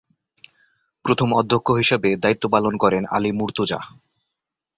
প্রথম অধ্যক্ষ হিসেবে দায়িত্ব পালন করেন আলী মুর্তজা।